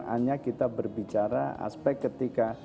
hanya kita berbicara aspek ketika